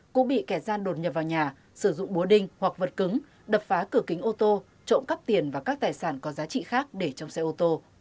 cũng bị kẻ gian đột nhập vào nhà sử dụng búa đinh hoặc vật cứng đập phá cửa kính ô tô trộm cắp tiền và các tài sản có giá trị khác để trong xe ô tô